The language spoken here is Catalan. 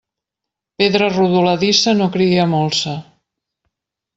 Pedra rodoladissa no cria molsa.